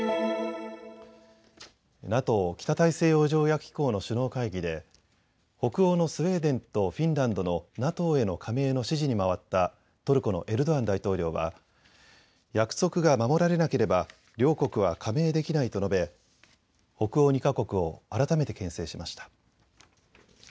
ＮＡＴＯ・北大西洋条約機構の首脳会議で北欧のスウェーデンとフィンランドのＮＡＴＯへの加盟の支持に回ったトルコのエルドアン大統領は約束が守られなければ両国は加盟できないと述べ北欧２か国を改めてけん制しました。